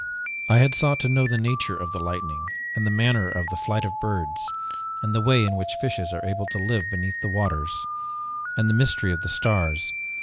"I had sought to know the nature of the lightning, and the manner of flight of the birds, and the way in which fishes are able to live beneath the waters, and the mystery of the stars.